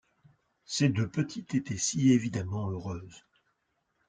Ces deux petites étaient si évidemment heureuses!